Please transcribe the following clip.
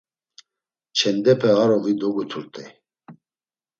Çendepe arovi doguturt̆ey.